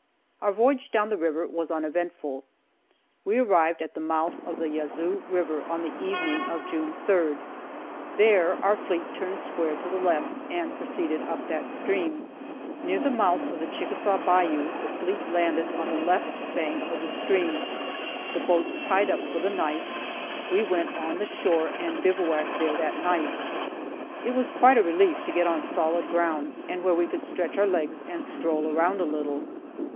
Our voyage down the river was uneventful. We arrived at the mouth of the Yazoo river on the evening of June 3rd. There our fleet turned square to the left, and proceeded up that stream. Near the mouth of the Chickasaw Bayou, the fleet landed on the left bank of the stream, the boats tied up for the night, we went on the shore and bivouacked there that night. It was quite a relief to get on solid ground, and where we could stretch our legs and stroll around a little.